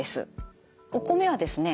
お米はですね